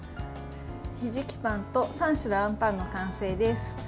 ひじきパンと３種のあんパンの完成です。